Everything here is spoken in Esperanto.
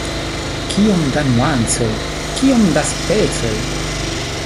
Kiom da nuancoj, kiom da specoj!